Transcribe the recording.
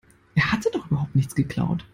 Er hatte doch überhaupt nichts geklaut.